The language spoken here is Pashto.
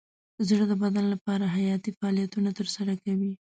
زړه د بدن لپاره حیاتي فعالیتونه ترسره کوي.